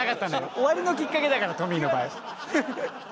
終わりのきっかけだからトミーの場合。